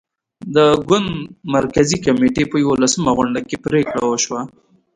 د ګوند مرکزي کمېټې په یوولسمه غونډه کې پرېکړه وشوه.